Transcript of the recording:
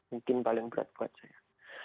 mungkin paling berat buat saya